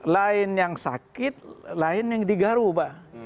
lain yang sakit lain yang digaru pak